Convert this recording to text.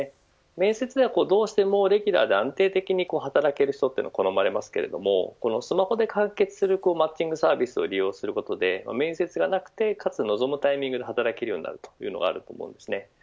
面接ではどうしてもレギュラーで安定的に働ける人が好まれますけれどこのスマホで完結するマッチングサービスを利用することで面接がなくて、かつ望むタイミングと働き量になるというのがあると思います。